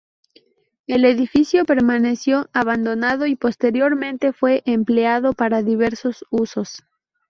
El edificio permaneció abandonado y posteriormente fue empleado para diversos usos.